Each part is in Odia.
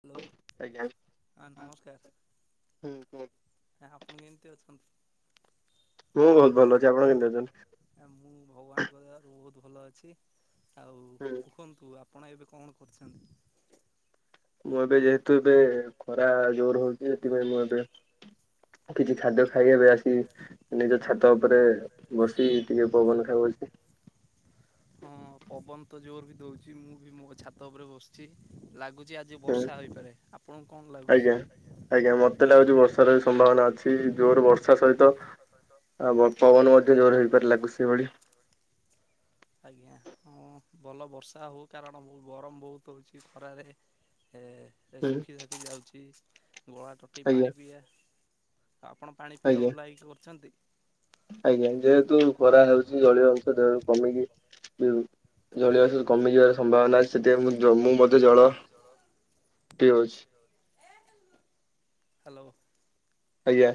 ହାଲୋ ହ ନମସ୍କାର। ହେଁ [unintelligible] ଆପଣ କେମିତି ଅଛନ୍ତି? [inaudible] ମୁଁ ଭଗବାନଙ୍କ ଦୟା ବହୁତ ଭଲ ଅ [inaudible] ଆଉ କୁହନ୍ତୁ ଆପଣ ଏବେ କଣ କରୁଛନ୍ତି? [inaudible] ମୁଁ ଏବେ ଯେହେତୁ ଏବେ ଖରା ଜୋର ହଉଛି ସେଥିପାଇଁ ମୁଁ ଏବେ କିଛି ଖାଦ୍ୟ ଖାଇ ଏବେ ଆସି ନିଜ ଛାତ ଉପରେ ବସି ଟିକେ ପବନ ଖାଇବା [inaudible] [inaudible] ହଁ ପବନ ତ ଜୋର ବି ଦଉଛି ମୁଁ ବି ମୋ ଛାତ ଉପରେ ବସଛି ଲାଗୁଛି ଆଜି ବର୍ଷା ହେଇପାରେ ଆପଣଙ୍କୁ କଣ ଲାଗୁଛି? ସମ୍ଭାବନା ଅଛି ଜୋର ବର୍ଷା ସହିତ ଆ ପବନ ମଧ୍ୟ ଜୋର ହେଇପାର ଲାଗୁ ସେଇ ଭଳି। [inaudible] ହଁ ଭଲ ବର୍ଷା ହଉ କାରଣ ଗରମ ବହୁତ ହଉଛି ଖରାରେ ଏ ଶୁଖି ଶଖି ଯାଉଛି। ଗଳା ଟଟି ପାଣି ପିଇବା ଆଉ ଆପଣ ପାଣି ପିଇବା ଭଲ ହେଇକି କରିଛନ୍ତି? ଆଜ୍ଞା ଯେହେତୁ ଖରା ହଉଛି ଜଳୀୟ ଅଂଶ ଦେହ ରୁ କମିକି ଜଳିୟ ଅଂଶ କମିଯିବାର ସମ୍ଭାବନା ଅଛି ସେଥିପାଇଁ ମୁଁ ଜମୁ ମଧ୍ଯ ଜଳ ପିଉଚି। [inaudible] ହ୍ୟାଲୋ। ଆଜ୍ଞା।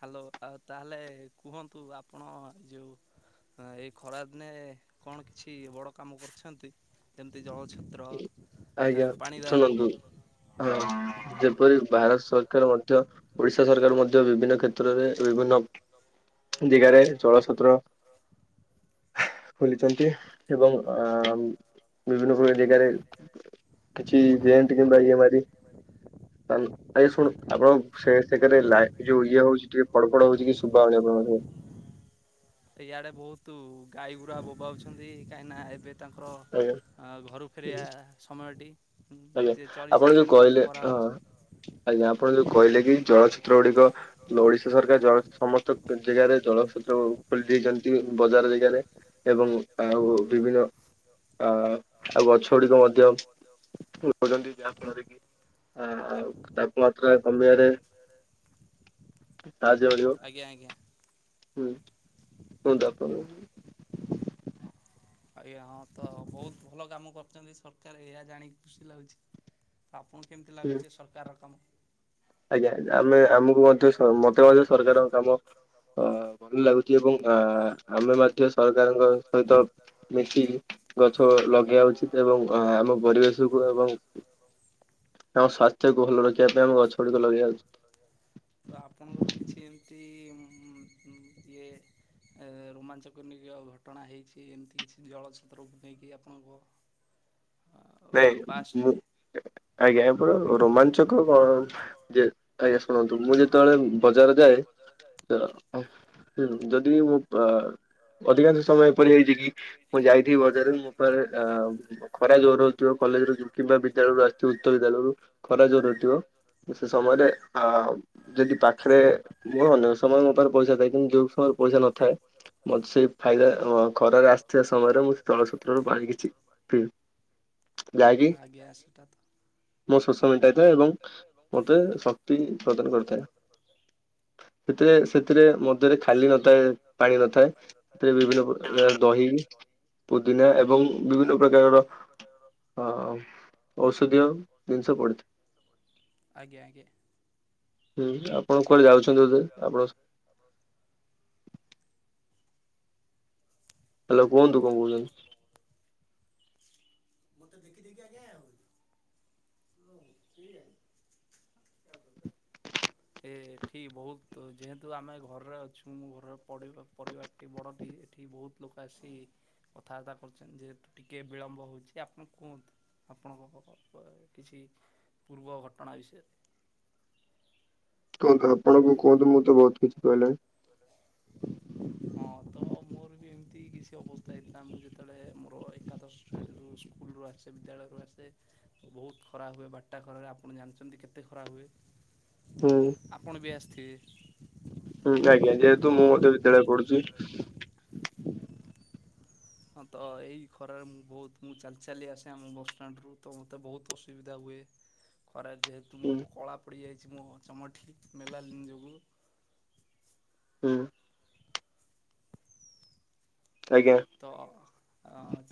ହ୍ୟାଲୋ ଆଉ ତାହେଲେ କୁହନ୍ତୁ ଆପଣ ଯୋଉ ହଁ ଏଇ ଖରାଦିନେ କଣ କିଛି ବଡ କାମ କରିଛନ୍ତି। ଯେମିତି ଆଜ୍ଞା ଶୁଣନ୍ତୁ ହଁ। ଯେପରି ଭାରତ ସରକାର ମଧ୍ୟ ଓଡିଶା ସରକାର ମଧ୍ୟ ବିଭିନ୍ନ କ୍ଷେତ୍ରରେ ବିଭିନ୍ନ ଦିଗାରେ ଜଳଛତ୍ର ଖୋଲିଛନ୍ତି ଏବଂ ଆ ବିଭିନ୍ନ ପ୍ରକାର ଜେଗାରେ [inaudible] କିଛି ଯେଣ୍ଟ କିମ୍ବା ଇଏ ବାରି ଭାଇ ଭାଇ ଶୁଣୁ ଆପଣ ସେ ସୋରେ ଯୋଉ ଇଏ ହଉଛି ଟିକେ ପଡପଡ ହଉଛି କି ଶୁବାହଉନି। ଓ ହୋ। ଇଆଡେ ବହୁତ ଗାଈ ଗୁୁରା ବୋବାଉଛନ୍ତି କାହିଁକି ନା ଏବେ ତାଙ୍କର ଘରୁ ଫେରିବା ସମୟଟି। ଆଜ୍ଞା ଆପଣ ଯୋଉ କହିଲେ ହଁ ଆଜ୍ଞା ଆପଣ ଯୋଉ କହିଲେ କି ଜଳଚିତ୍ର ଗୁଡିକ ଓଡିଶା ସରକାର ସମସ୍ତ ଜାଗାରେ ଜଳ ଯୋ ଖୋଲି ଦେଇେଇଛନ୍ତି ବଜାର ଜାଗାରେ ଏବଂ ଆଉ ବିଭିନ୍ନ ଆ ଆଉ ଗଛ ଗୁଡିକ ମଧ୍ୟ ରଛନ୍ତି ଯାହାଫଳରେ କି ହଁ ଆଉ ତାପମାତ୍ରା କମିବାରେ [inaudible] ତାଜି ଭଳିିବ [inaudible] ହୁଁ ହୁଁ ତ। [inaudible] ଆଜ୍ଞା ହଁ ତ ବହୁତ ଭଲ କାମ କରୁଛନ୍ତି ସରକାର ଏହା ଜାଣିକି ଖୁସି ଲାଗୁଛି। ଆପଣଙ୍କୁ କେମିତି ଲାଗୁଛି ସରକାର ନିଅମ? ଆଜ୍ଞା ଆମେ ଆମକୁ ମଧ୍ୟ ମତେ ମଧ୍ୟ ସରକାରଙ୍କ କାମ ଅ ଭଲ ଲାଗୁଛି ଏବଂ ଅ ଆମେ ମଧ୍ୟ ସରକାରଙ୍କ ସହିତ। ମିତି ଗଛ ଲଗେଇବା ଉଚିତ ଏବଂ ଆମ ପରିବେଶକୁ ଏବଂ ଆମ ସ୍ୱାସ୍ଥ୍ୟକୁ ଭଲ ରଖିବା ପାଇଁ ଆମ ଗଛ [inaudible] ତ ଆପଣଙ୍କର କିଛି ଏମିତି ଇଏ [unintelligible] ରୋମାଞ୍ଚକନ ଘଟଣା ହେଇଛି ଏମିତି କିଛି ଜଳଛତ୍ରକୁ ନେଇକି ଆପଣଙ୍କ ନାଇଁ ମୁଁ ଆଜ୍ଞା ଆପଣ ରୋମାଞ୍ଚକ କଣ ଯେ ଆଜ୍ଞା ଶୁଣନ୍ତୁ ମୁଁ ଯେତେବେଳେ ବଜାର ଯାଏ। ତ ହୁଁ ଯଦି ହୁଁ ଅଧିକାଂଶ ସମୟ ପରି ହେଇଛି କି ମୁଁ ଯାଇଥିଵି ବଜାରରେ ମୋ ପା ଖରା ଜୋର କଲେଜ ର କିମ୍ବା ବିଦ୍ୟାଳୟରୁ ଆସି ଉଚ୍ଚ ବିଦ୍ୟାଳୟରୁ ଖରା ହଉଥିବ। ସେ ସମୟରେ ଆ ଯଦି ପାଖରେ ମୁ ଅ ସେମାନଙ୍କ ଉପରେ ପଇସା ଥାଏ କିନ୍ତୁ ଯୋଉ ସମୟ ପଇସା ନଥାଏ। ମୋତେ ସେଇ ଫାଇଦା ଖରାରେ ଆସିଥିବା ସମୟରେ ମୁଁ ସେ ତଳସୂତ୍ରରୁ ପାଣି କିଛି ପିଏ ଆଜ୍ଞା ସେଟା ତ [unintelligible] ସେଥିରେ ସେଥିରେ ମଧ୍ୟରେ ଖାଲି ନଥାଏ ପାଣି ନଥାଏ ସେଥିରେ ବିଭିନ୍ନ ପ୍ରକାର ଦହି ପୁଦିନା ଏବଂ ବିଭିନ୍ନ ପ୍ରକାରର ହଁ ଔଷଧୀୟ ଆଜ୍ଞା ଆଜ୍ଞା। ହୁଁ ଆପଣ କୁଆଡେ ଯାଉଛନ୍ତି ବଧେ ଆପଣ ହେ୍ୟାଲୋ କୁହନ୍ତୁ କଣ କହୁଛନ୍ତି। ମୋତେ ଦେଖି ଦେଖି ଆଜ୍ଞା [unintelligible] ଏଠି ବହୁତ ଯେହେତୁ ଆମେ ଘରେରେ ଅଛୁ ଘରର ପରିବାର ଟି ବଡ଼ ଏଠି ବହୁତ ଲୋକ ଆସି କଥାବାର୍ତ୍ତା କରୁଛ ଯେହତୁ ଟିକେ ବିଳମ୍ବ ହେଉଛି ଆପଣ କୁହନ୍ତୁ ଆପଣଙ୍କ କିଛି ପୂର୍ବ ଘଟଣା ବିଷୟରେ କୁହନ୍ତୁ ଆପଣଙ୍କୁ କୁହନ୍ତୁ ମୁଁ ତ ବହୁତ କିଛି କହିଲଣି ହଁ ତ ମୋର ବି ଏମତି କିଛି ଅବସ୍ଥା ହେଇଥିଲାର ଯେତେବେଳେ ମୋର ଏକାଦଶ ସ୍କୁଲ ରୁ ଆସେ ବିଦ୍ୟାଳୟରୁ ଆସେ ବହୁତ ଖରା ହୁଏ ବାରଟା ଖରାରେ ଆପଣ ଜା ଜାଣିଛନ୍ତି କେତେ ଖରା ହୁଏ। ହୁଁ। [unintelligible] ହୁଁ ଆଜ୍ଞା ଯେହେତୁ ମୁଁ ମତେ ବିଦ୍ୟାଳୟ ପଢୁଛି। ହଁ ତ ଏଇ ଖରାରେ ମୁଁ ବହୁତ ମୁଁ ଚାଲି ଚାଲି ଆସେ ଆମ ବସଷ୍ଟାଣ୍ଡ ରୁ ତ ମତେ ବହୁତ ଅସୁବିଧା ହୁଏ। ଖରା ଯେହେତୁ ମୁ କଳା ପଡି ଯାଇ- ଛି ମୋ ଚମଡାଠି ମେଲାଲିନ ଯୋଗୁଁ। ହୁଁ। ତ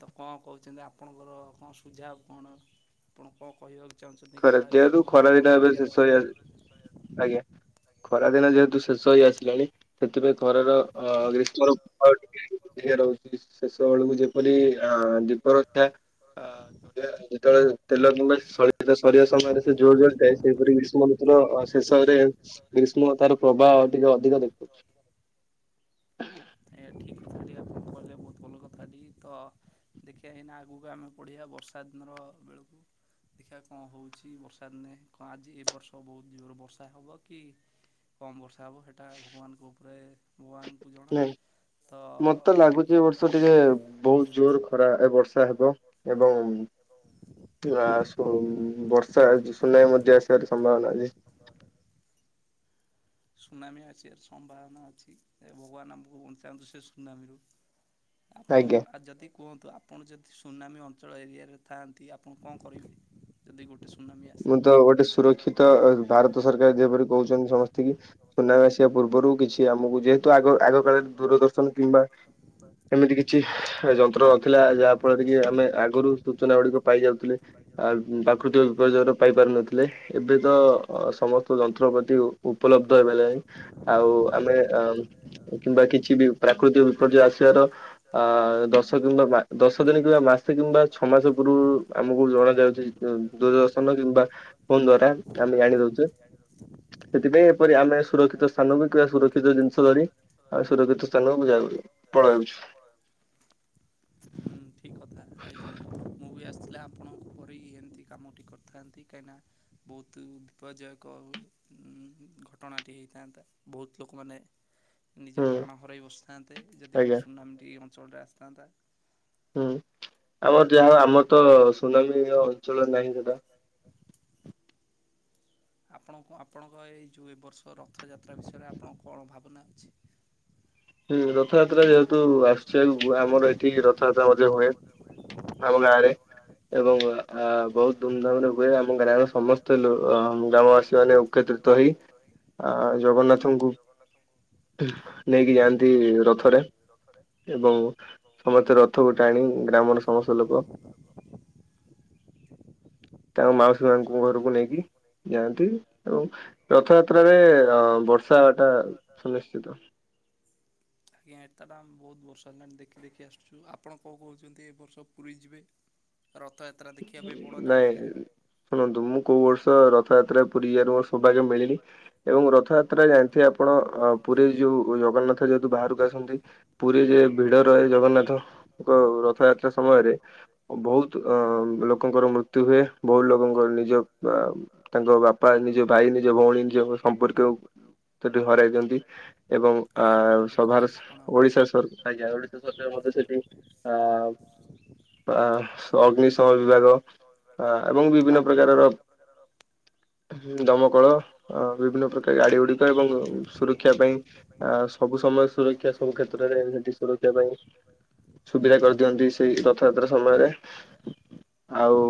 ତ କଣ କହୁଛନ୍ତି ଆପ - ଆପଣଙ୍କର କଣ ସୁଝା କଣ ଆପଣ କଣ କହିବ? ଚାହୁଁଛନ୍ତି ଖରା ବିଷୟରେ ମୋତେ କଣ କରିବା ଦରକାର। ଖରା ଦିନ ଯେହେତୁ ଶେଷ ହେଇ ଆସିଲାଣି ସେଥିପାଇଁ ଘରର ଅ ଗ୍ରୀଷ୍ମର ଟିକେ- [unintelligible] ଶେଷ ବେଳକୁ ଯେପରି ଆଁ [unintelligible] [unintelligible] ଯେତେବେଳେ ତେଲ ଲୁଣ [unintelligible] ଗ୍ରୀଷ୍ମ ଋତୁର ଶେଷରେ ଗ୍ରୀଷ୍ମ ତାର ପ୍ରବାହ ଟିକେ ଅଧିକ ଦେଖୋଉଛି। ଏହା ଠିକ୍ ତାହଲେ ଆଉ। ତ ଦେଖିବା ଏଇନା ଆଗକୁ ଆମେ ପଢିବା ବର୍ଷା ଦିନର ବେଳକୁ। ଦେଖିବା କଣ ହଉଛି ବର୍ଷା ଦିନେ, କଣ ଆଜି ଏ ବର୍ଷ ବହୁତ ଜୋର ବର୍ଷା ହବ କି? କମ ବର୍ଷା ହବ ହେଟା ଭଗବାନଙ୍କ ଉପରେ- ଭଗବାନଙ୍କୁ ଜଣା ତ ମୋତେ ତ ଲାଗୁଚି- ବହୁତ ଜୋର ଖରା ଏ ବର୍ଷା ହେବ ଏବଂ- ବର୍ଷା ସୁନାମି ମଧ୍ୟ ଆସିବାର ସମ୍ଭାବନା ଅଛି। [inaudible] ସୁନାମୀ ଆସିବାର ସମ୍ଭାବନା ଅଛି। ଏ ଭଗବାନ ଆମକୁ ବଞ୍ଚାନ୍ତୁ ସେ ସୁନାମୀରୁ। ଆପଣ ଘରେ ଆଜି ଯଦି - କୁହନ୍ତୁ ଆପଣ ଯଦି ସୁନାମୀ ଅଞ୍ଚଳ ଏରିଆରେ ଥାଆନ୍ତି, ଆପଣ କଣ କରିବେ? ମୁଁ ତ ଗୋଟେ ସୁରକ୍ଷିତ ଭାରତ ସରକାର ଯେପରି କହୁଛନ୍ତି ସମସ୍ତେ- ସୁନାମି ଆସିବା ପୂର୍ବରୁ କିଛି ଆମକୁ ଯେହେତୁ ଆଗ ଆଗ କାଳରେ ଦୂରଦର୍ଶନ କିମ୍ବା- ଏମିତି କିଛି ଯନ୍ତ୍ର ନଥିଲା ଯାହା ଫଳରେ କି ଆମେ ଆଗରୁ ସୂଚନା ଗୁଡିକ ପାଇଯାଉଥିଲେ। ଆଉ ପ୍ରକୃତିକ ଆଗରୁ ଯୋଉଗୁରା ପାଇ ପାରୁ ନଥିଲେ ଏବେ ତ ସମସ୍ତ ଯନ୍ତ୍ରପତି ଉପ ଉପଲବ୍ଧ ହେଇ ପାଇଲାଣି ଆଉ ଆମେ ଆ କିମ୍ବା କିଛି ବି ପ୍ରାକୃତିକ। ବିପର୍ଯ୍ଯୟ ଆସିବାର। ଆ ଦଶଦିନ ବା ଦଶ ଦିନି କିମ୍ବା ମାସେ କିମ୍ବା ଛମାସ ପୂର୍ବରୁ ଆମକୁ ଜଣା ଯାଉ ଯେଇ କନ ଦୂରଦର୍ଶନ କିମ୍ବା ଫୋନ ଦ୍ଵାରା ଆମେ ଜାଣି ଦଉଚେ। ସେଥିପାଇଁ ଏପରି ଆମେ ସୁରକ୍ଷିତ ସ୍ଥାନକୁ କିମ୍ବା ସୁରକ୍ଷିତ ଜିନିଷ ଧରି ଆମେ ସୁରକ୍ଷିତ ସ୍ଥାନକୁ ଯାଉ। ପଳାଉଛୁ। ହୁଁ। [inaudible] ସେଇଲାଗି ଆପଣଙ୍କ ପରି ଏମିତି କାମଟି କରିଥାନ୍ତି, କାହିଁକିନା ବହୁତ ବିପଦଜୟକ। ଉଁ ଘଟଣା ଟି ହେଇଥାନ୍ତା ବହୁତ୍ ଲୋକମାନେ। ନିଜ ପ୍ରାଣ ହରାଇ ବସିଥାନ୍ତେ, ଯଦି ଗୋଟେ ସୁନାମୀ ଟି ଏ ଅଞ୍ଚଳରେ ଆସିଥାନ୍ତା। ହୁଁ ଆମର। ଯାହଉ ଆମର ତ ସୁନାମି ଏ ଅଞ୍ଚଳ ରେ ନାହିଁ ସେଟା। ଆପଣଙ୍କୁ ଆପଣଙ୍କ ଏଇ ଯୋଉ ଏ ବର୍ଷ ରଥଯାତ୍ରା ବିଷୟରେ ଆପଣଙ୍କ କଣ ଭାବନା ଅଛି? [inaudible] ରଥଯାତ୍ରା ଯେହେତୁ ଆସୁଛି ଆଗକୁ, ଆମର ଏଠି ରଥଯାତ୍ରା ମଧ୍ୟ ହୁଏ। ଆମ ଗାଁ ରେ। ଏବଂ ଆ ବହୁତ ଧୁମଧାମ ରେ ହୁଏ, ଆମ ଗ୍ରାମେ ସମସ୍ତେ ଥିଲୁ ଗ୍ରାମବାସୀ ମାନେ ଏ କତ୍ରିତ ହେଇ ଆ ଜଗନ୍ନାଥଙ୍କୁ ନେଇକି ଯାଆନ୍ତି ରଥ। ରେ ଏବଂ ସମସ୍ତେ ରଥକୁ ଟାଣି ଗ୍ରାମର ସମସ୍ତ ଲୋକ। [inaudible] ତାଙ୍କ ମାଉସୀ ମାଙ୍କୁ ଘରକୁ ନେଇକି। ଯାଆନ୍ତି ଏବଂ ରଥ ଯାତ୍ରାରେ ଅ ବର୍ଷା ହେବା ଟା ସୁନିଶ୍ଚିତ। [inaudible] ଆଜ୍ଞା ଏତା ଟା ଆମେ ବହୁତ ବର୍ଷା ହେଲାଣି ଦେଖି ଦେଖି ଆସୁଛୁ, ଆପଣ କଣ କହୁଛନ୍ତି ଏ ବର୍ଷ ପୁରୀ ଯିବେ? ରଥଯାତ୍ରା ଦେଖିବା ପାଇଁ ବଡ ଦାଣ୍ଡରେ। କୋଉ ବର୍ଷ ରଥଯାତ୍ରା ରେ ପୁରୀ ଯିବାରେ ମୋର ସୌଭାଗ୍ୟ ମିଳିନି ଏବଂ ରଥଯାତ୍ ଯାତ୍ରା ଜାଣି ଥିବେ ଆପଣ ପୁରୀ ଯୋଉ ଜଗନ୍ନାଥ ଯେହେତୁ ବାହାରକୁ ଆସନ୍ତି ପୁରୀ ରେ ଭିଡ ରହେ। ଜଗନ୍ନାଥ ଙ୍କ ରଥଯାତ୍ରା ସମୟରେ ବହୁତ। ଅ ଲୋକଙ୍କର ମୃତ୍ୟୁ ହୁଏ। ବହୁତ ଲୋକଙ୍କର ନିଜ ଆ ତାଙ୍କ ବାପା ନିଜ ଭାଇ ନିଜ। ଭଉଣୀ ନିଜ ସମ୍ପର୍କୟ ଙ୍କୁ। ସେଠି ହରାଦିଅନ୍ତି ଏବଂ ଆ ସଭାର ଓଡିଶା ସରକାର ଆଜ୍ଞା ଓଡିଶା ସକାରକାର ଙ୍କ। ଙ୍କ ସେଠି ଆ ଅ। ଅଗ୍ନିଶମ ବିଭାଗ ଏବଂ ବିଭିନ୍ନ ପ୍ରକାରର ଦମକଳ ବିଭିନ୍ନ ପ୍ରକାର। ଭିକ ଏବଂ ସୁରକ୍ଷା ପାଇଁ ଆ ସବୁ ସମୟ ରେ ସୁରକ୍ଷା ସବୁ କ୍ଷେତ୍ରରେ ସେଠି ସୁରକ୍ଷା ପାଇଁ। [inaudible] ସୁବିଧା କରିଦିଅନ୍ତି ସେଇ ରଥଯାତ୍ରା ସମୟରେ। ଆଉ।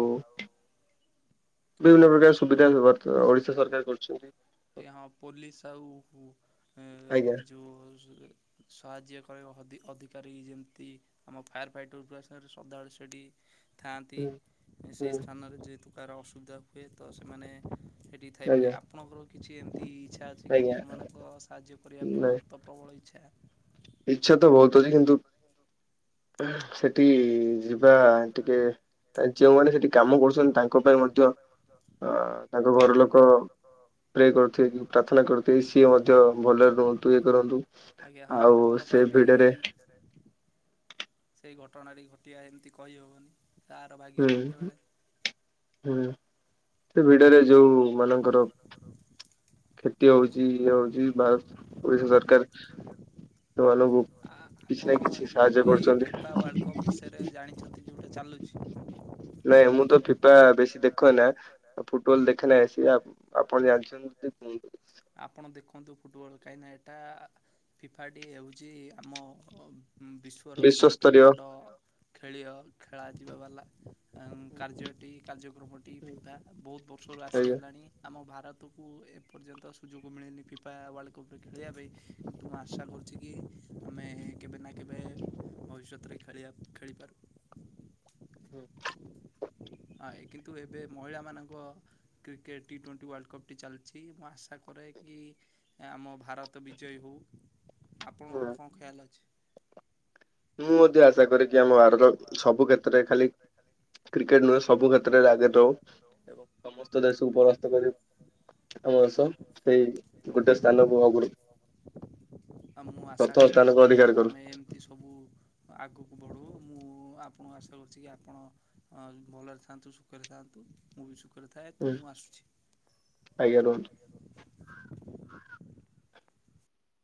ବିଭିନ୍ନ ପ୍ରକାର ସୁବିଧା ଭିବର୍ତ୍ ଓଡିଶା ସରକାର କରୁଛନ୍ତି। ହଁ ପୋଲିସ ଆଉ ଉ ଏ ଯୋଉ ଉ ଜ ସାହାଯ୍ୟ। କରିବ ହଦି ଅଧିକାରୀ ଯେମିତି ଆମ ଫାୟାର ଫାଇଟର ହଉଥିବା ସାର୍ ସଦାବେଳେ ସେଠି। ଥାଆନ୍ତି ସେହି ସ୍ଥାନରେ ଯେହେତୁ କାହାର ଅସୁବିଧା ହୁଏ ତ ସେମାନେ। ସେଠିକି ଥାଇପାରିବେ ଆପଣଙ୍କର। କିଛି ଏମିତି ଇଚ୍ଛା ଅଛି କି ଲୋକମାନଙ୍କ ସାହାଯ୍ୟ କରିବା ପାଇଁ ମୋର ତ ପ୍ରବଳ ଇଚ୍ଛା। ଇଛା ତ ବହୁତ ଅଛି କିନ୍ତୁ। ସେଠି ଯିବା ଟିକେ। ଯେଉଁ ମାନେ ସେଠି କାମ କରୁଛନ୍ତି ତାଙ୍କ ପାଇଁ ମଧ୍ୟ ଅ ତାଙ୍କ ଘର ଲୋକ। ପ୍ରେ କରୁଥିବେ କି ପ୍ରାର୍ଥନା କରଥିବେ କି ସିଏ ମଧ୍ୟ ଭଲରେ ରୁହନ୍ତୁ ଇଏ କରନ୍ତୁ। ତାଙ୍କ ପାଇଁ ବି ସେଇ ଘଟଣାଟି ଘଟିବା ଏମିତି କହିହେବନି। ତାର ଭାଗ୍ୟ କେ ହୁଁ ସେ ଭିଡରେ ଯୋଉ ମାନଙ୍କର କ୍ଷତି ହଉଚି ଇଏ ହଉଚି ଭା ଓଡିଶା ସରକାର ସେମାନଙ୍କୁ ଆ ଆପଣ ଯୋଉ ଏଇ ଫିଫା ୱାର୍ଲଡ଼ କପ୍ ବିଷୟରେ ଜାଣିଚନ୍ତି ଯୋଉଟା ଚାଲୁଚି। ପ୍ରାଏ ବେଶୀ ଦେଖ ନା ଫୁଟବଲ ଦେଖେନା ବେଶୀ ଆପଣ ଜାଣିଚନ୍ତି କୁ ଆପଣ ଦେଖନ୍ତୁ ଫୁଟବଲ କାହିଁକିନା ଏଟା ଫିଫାଟି ହେଉଚି ଆମ ବିଶ୍ୱର ସବୁଠୁ ବଡ଼ ଖେଳିୟ ଖେଳା ଯିବା ବାଲା ଏଁ କାର୍ଯ୍ୟଟି କାର୍ଯ୍ୟକ୍ରମ ଟି ଫିଫା ବହୁତ ବର୍ଷରୁ ଆସିହେଲାଣି ଆମ ଭାର ରତକୁ ଏପର୍ଯ୍ୟନ୍ତ ସୁଯୋଗ ମିଳେନି ଫିଫା ୱାର୍ଲଡ କପ୍ ଖେଳିବା ପାଇଁ କିନ୍ତୁ ମୁଁ ଆଶା କରୁଚି କି ଆମେ କେବେ ନା କେବେ ଭାରତ ରେ ଖେଳିବାକୁ ଖେଳିପାରୁ। ହୁଁ। ଆ ଏ କିନ୍ତୁ ଏବେ ମହିଳା ମାନଙ୍କ କ୍ରେକେଟ୍ ଟି ଟିମ ଚାଲିଚି ମୁଁ ଆଶା କର କି ଆମ ଆ ଭାରତ ବିଜୟୀ ହଉ ଆପଣଙ୍କର କଣ ଖେୟଲ ଅଛି? ମୁଁ ମଧ୍ୟ ଆଶା କରେକି ଆମ ଭାରତ ସବୁ କ୍ଷେତ୍ରରେ ଖାଲି କ୍ରିକେଟ ନୁହେଁ ସବୁ କ୍ଷେତ୍ରରେ ଆଗରେ ରହୁ ଏବଂ ସମସ୍ତ ଦେଶକୁ ପରାସ୍ତ କରି ଆମ ସହ ସେଇ ଗୋଟେ ସ୍ଥାନ କୁ ଆଗରୁ ଆଉ ମୁଁ ଆଶା କରେ ଆମର ଆମେ ଏମିତି ସବୁ ଆଗକୁ ବଢ଼ୁ ମୁଁ ଆପଣଙ୍କୁ ଆଶା କରୁଚି କି ଆପଣ ଭଲରେ ଅଁ ଥାଆନ୍ତୁ ସୁଖରେ ଥାଆନ୍ତୁ। ମୁଁ ବି ସୁଖରେ ଥାଏ ତ ମୁଁ ଆସୁଚି।